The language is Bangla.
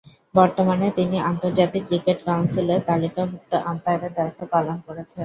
বর্তমানে তিনি আন্তর্জাতিক ক্রিকেট কাউন্সিলের তালিকাভূক্ত আম্পায়ারের দায়িত্ব পালন করছেন।